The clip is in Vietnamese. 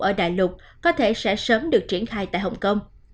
ở đại lục có thể sẽ sớm được triển khai tại hồng kông